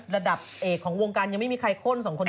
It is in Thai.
ระดับเอกของวงการยังไม่มีใครข้น๒คนที่ลง